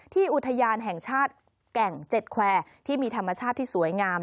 อุทยานแห่งชาติแก่งเจ็ดแควร์ที่มีธรรมชาติที่สวยงาม